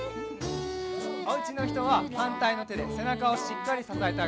おうちのひとははんたいのてでせなかをしっかりささえてあげてくださいね。